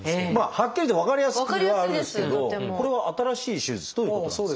はっきり分かりやすくはあるんですけどこれは新しい手術ということですか？